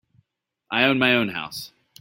I own my own house.